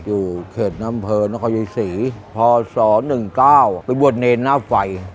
อยู่เขตน้ำเภอนครยายศรีพศ๑๙ไปบวชเนรหน้าไฟ